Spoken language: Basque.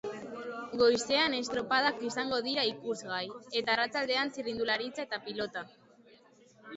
Goizean estropadak izango dira ikusgai, eta arratsaldean txirrindularitza eta pilota.